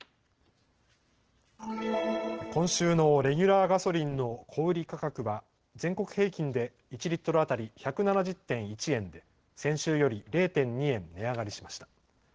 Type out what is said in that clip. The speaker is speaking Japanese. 今週のレギュラーガソリンの小売価格は全国平均で１リットル当たり１７０．１円で先週より０．２円値上がりしました。